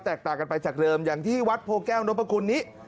ต่างกันไปจากเดิมอย่างที่วัดโพแก้วนพคุณนี้